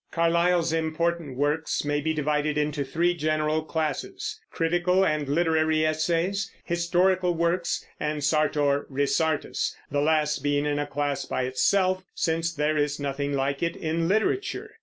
Carlyle's important works may be divided into three general classes, critical and literary essays, historical works, and Sartor Resartus, the last being in a class by itself, since there is nothing like it in literature.